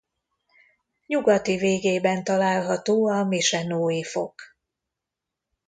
Nyugati végében található a Misenói-fok.